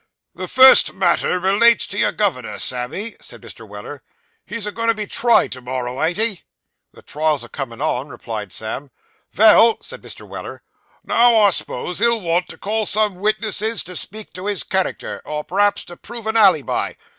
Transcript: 'The first matter relates to your governor, Sammy,' said Mr. Weller. 'He's a goin' to be tried to morrow, ain't he?' 'The trial's a comin' on,' replied Sam. 'Vell,' said Mr. Weller, 'Now I s'pose he'll want to call some witnesses to speak to his character, or p'rhaps to prove a alleybi.